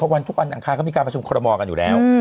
วันทุกวันอังคารก็มีการประชุมคอรมอลกันอยู่แล้ว